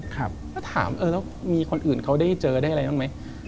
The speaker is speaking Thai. แล้วถามแล้วมีคนอื่นเขาได้เจอได้อะไรบ้างไหม